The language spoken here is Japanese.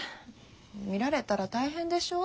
見られたら大変でしょう？